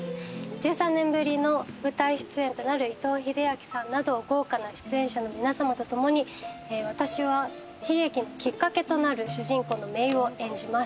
１３年ぶりの舞台出演となる伊藤英明さんなど豪華な出演者の皆さまと共に私は悲劇のきっかけとなる主人公の姪を演じます。